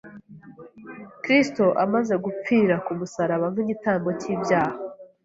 Kristo amaze gupfira ku musaraba nk’igitambo cy’ibyaha,